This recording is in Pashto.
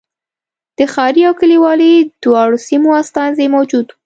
د ښاري او کلیوالي دواړو سیمو استازي موجود و.